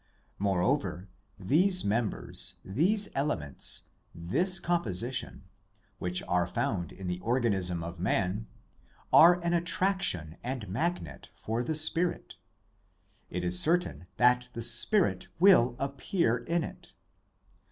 Moreover, these members, these elements, this com position, which are found in the organism of man, are an attraction and magnet for the spirit ; it is certain that the spirit will appear in it.